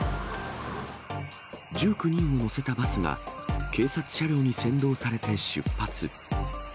１９人を乗せたバスが、警察車両に先導されて出発。